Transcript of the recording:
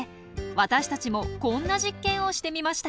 私たちもこんな実験をしてみました。